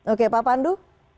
oke pak pandu